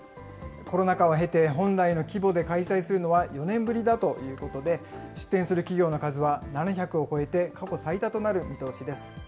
コロナ禍を経て、本来の規模で開催するのは４年ぶりだということで、出展する企業の数は７００を超えて、過去最多となる見通しです。